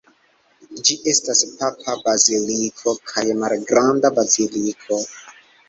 Ĝi estas papa baziliko kaj malgranda baziliko.